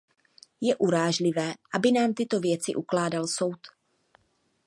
Je urážlivé, aby nám tyto věci ukládal soud.